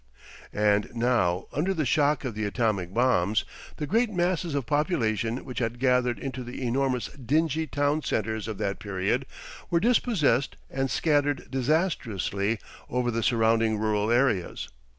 And now under the shock of the atomic bombs, the great masses of population which had gathered into the enormous dingy town centres of that period were dispossessed and scattered disastrously over the surrounding rural areas.